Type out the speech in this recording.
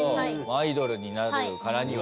アイドルになるからには？